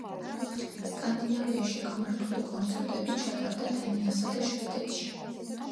სკანდინავიაში გამართული კონცერტები ჩატარდა დანიასა და შვედეთში.